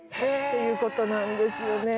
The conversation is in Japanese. ということなんですよね。